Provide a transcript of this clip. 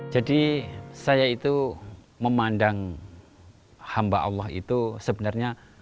jadi saya itu memandang hamba allah itu sebenarnya